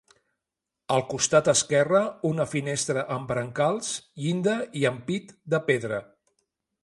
Al costat esquerre, una finestra amb brancals, llinda i ampit de pedra.